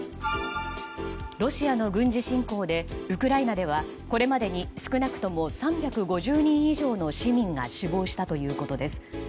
ロシアの軍事侵攻でウクライナではこれまでに少なくとも３５０人以上の市民が死亡したということです。